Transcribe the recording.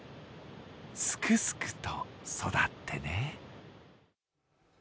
すくすくと育ってね。